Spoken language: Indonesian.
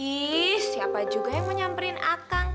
is siapa juga yang mau nyamperin akang